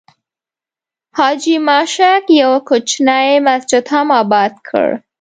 حاجي ماشک یو کوچنی مسجد هم آباد کړی.